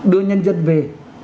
đưa nhân dân về